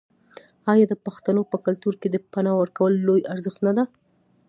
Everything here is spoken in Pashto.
آیا د پښتنو په کلتور کې د پنا ورکول لوی ارزښت نه دی؟